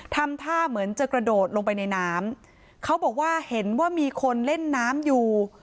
ทำท่าเหมือนจะกระโดดลงไปในน้ำเขาบอกว่าเห็นว่ามีคนเล่นน้ำอยู่